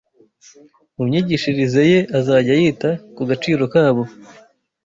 mu myigishirize ye azajya yita ku gaciro kabo